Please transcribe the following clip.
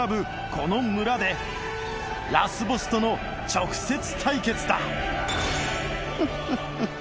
この村でラスボスとの直接対決だフッフッフッフ。